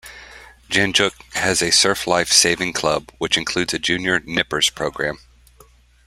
Jan Juc has a Surf Life Saving Club which includes a junior "Nippers" program.